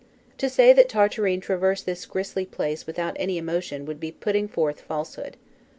To say that Tartarin traversed this grisly place without any emotion would be putting forth falsehood.